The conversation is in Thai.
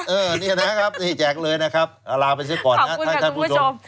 เออนี่นะครับนี่แจกเลยนะครับลาไปเสียก่อนนะท่านผู้ชม